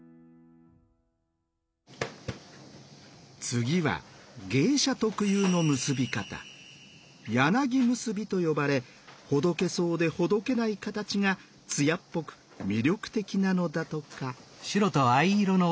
次は芸者特有の結び方「柳結び」と呼ばれほどけそうでほどけない形が艶っぽく魅力的なのだとか。